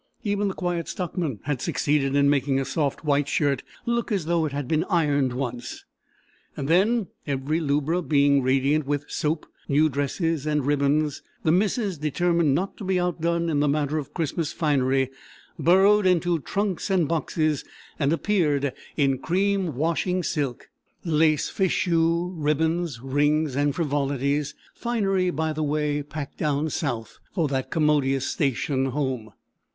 Even the Quiet Stockman had succeeded in making a soft white shirt "look as though it had been ironed once." And then every lubra being radiant with soap, new dresses, and ribbons, the missus, determined not be to outdone in the matter of Christmas finery, burrowed into trunks and boxes, and appeared in cream washing silk, lace fichu, ribbons, rings, and frivolities—finery, by the way, packed down south for that "commodious station home."